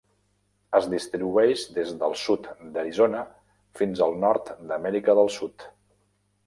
Es distribueix des del sud d'Arizona, fins al nord d'Amèrica del Sud.